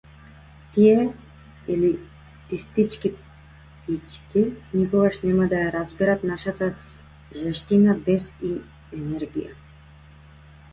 Тие елитистички пички никогаш нема да ја разберат нашата жестина, бес и енергија!